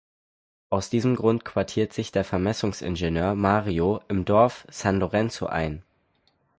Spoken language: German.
Aus diesem Grund quartiert sich der Vermessungsingenieur Mario im Dorf "San Lorenzo" ein.